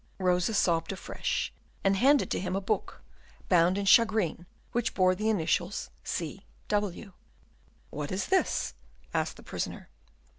Rosa sobbed afresh, and handed to him a book, bound in shagreen, which bore the initials C. W. "What is this?" asked the prisoner.